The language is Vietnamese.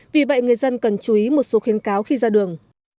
vì vậy người dân cần chú ý một số khuyến cáo khi ra đường